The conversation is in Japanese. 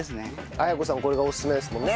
文子さんこれがオススメですもんね。